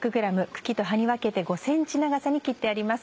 茎と葉に分けて５ｃｍ長さに切ってあります。